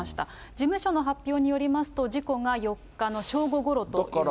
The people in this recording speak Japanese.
事務所の発表によりますと、事故が４日の正午ごろということですね。